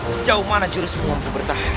sejauh mana jurus mampu bertahan